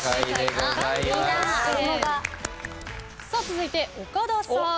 続いて岡田さん。